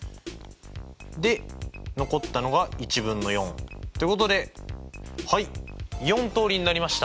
で残ったのが１分の４ってことで４通りになりました。